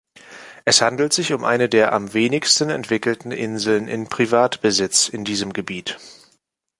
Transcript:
Es handelt sich um eine der am wenigsten entwickelten Inseln in Privatbesitz in diesem Gebiet.